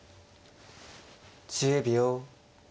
１０秒。